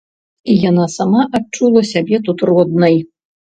І яна сама адчула сябе тут роднай.